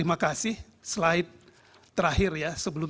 hidupkan esposa negerinya yang bermula